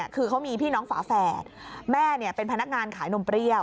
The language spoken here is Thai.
คือเขามีพี่น้องฝาแฝดแม่เป็นพนักงานขายนมเปรี้ยว